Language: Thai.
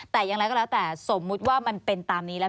แต่อย่างไรก็แล้วแต่สมมุติว่ามันเป็นตามนี้แล้ว